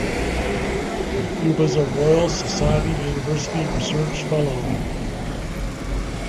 He was a Royal Society University Research Fellow.